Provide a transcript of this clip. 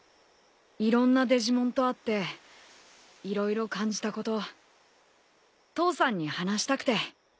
いろんなデジモンと会って色々感じたこと父さんに話したくて。